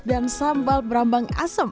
dan sambal berambang asem